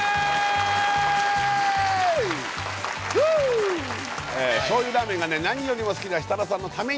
フーッ醤油ラーメンが何よりも好きな設楽さんのためにね